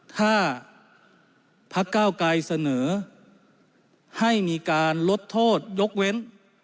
ถ้าพักเก้าไกรเสนอให้มีการลดโทษยกเว้น